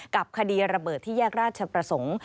กับคดีระเบิดที่แยกราชประสงค์